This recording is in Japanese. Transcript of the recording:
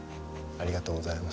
ありがとうございます。